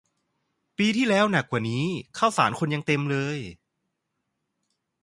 ปีที่แล้วหนักกว่านี้ ข้าวสารคนยังเต็มเลย